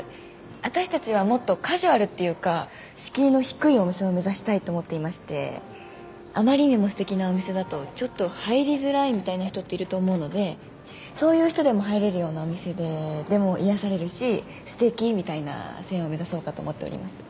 私たちはもっとカジュアルっていうか敷居の低いお店を目指したいと思っていましてあまりにもすてきなお店だとちょっと入りづらいみたいな人っていると思うのでそういう人でも入れるようなお店ででも癒やされるしすてき！みたいな線を目指そうかと思っております